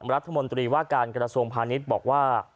รัฐมนตรีว่าการกระทรวงพาณิชย์บอกว่า